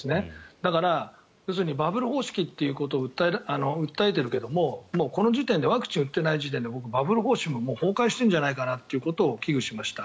だから、要するにバブル方式ということを訴えているけれどもこの時点でワクチンを打っていない時点でバブル方式も崩壊しているんじゃないかなっていうことを危惧しました。